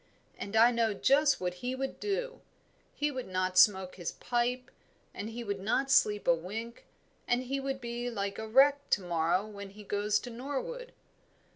And I know just what he would do; he would not smoke his pipe and he would not sleep a wink, and he would be like a wreck to morrow when he goes to Norwood.